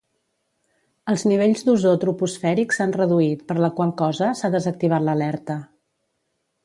Els nivells d'ozó troposfèric s'han reduït, per la qual cosa s'ha desactivat l'alerta.